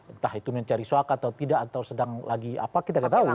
entah itu mencari swaka atau tidak atau sedang lagi apa kita nggak tahu